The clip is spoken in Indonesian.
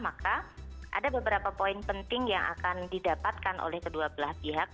maka ada beberapa poin penting yang akan didapatkan oleh kedua belah pihak